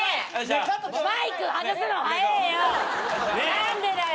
何でだよ！